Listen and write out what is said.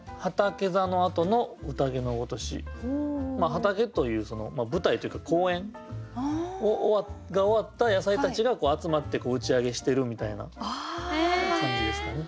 畑という舞台というか公演が終わった野菜たちが集まって打ち上げしてるみたいな感じですかね。